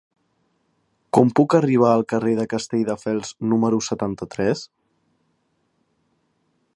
Com puc arribar al carrer de Castelldefels número setanta-tres?